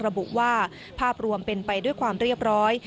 ระบุว่าภาพรวมเป็นไปด้วยความเรียบร้อย